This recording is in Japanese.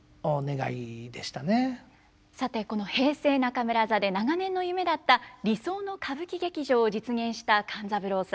さてこの平成中村座で長年の夢だった理想の歌舞伎劇場を実現した勘三郎さん。